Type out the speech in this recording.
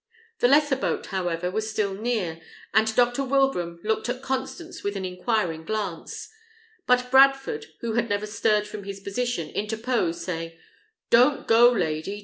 The lesser boat, however, was still near, and Dr. Wilbraham looked at Constance with an inquiring glance; but Bradford, who had never stirred from his position, interposed, saying, "Don't go, lady!